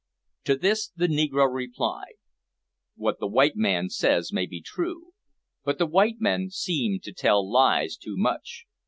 To this the negro replied "What the white man says may be true, but the white men seem to tell lies too much.